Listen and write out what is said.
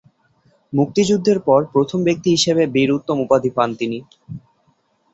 মুক্তিযুদ্ধের পর প্রথম ব্যক্তি হিসেবে 'বীর উত্তম' উপাধি পান তিনি।